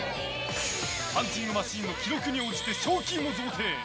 パンチングマシンの記録に応じて賞金を贈呈。